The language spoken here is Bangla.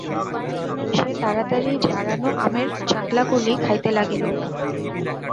সে তাড়াতাড়ি জারানো আমের চাকলাগুলি খাইতে লাগিল।